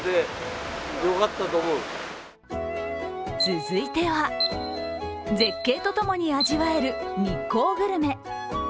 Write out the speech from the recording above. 続いては、絶景とともに味わえる日光グルメ。